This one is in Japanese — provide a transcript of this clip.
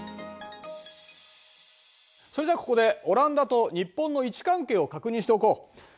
それじゃあここでオランダと日本の位置関係を確認しておこう。